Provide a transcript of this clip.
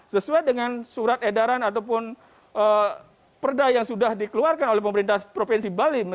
sesuai dengan surat edaran ataupun perda yang sudah dikeluarkan oleh pemerintah provinsi bali